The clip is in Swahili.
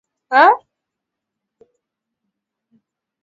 aliyewahi kuwa waziri wa ulinzi wa jamhuri